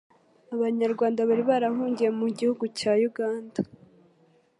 Abanyarwanda bari barahungiye mu gihugu cya Uganda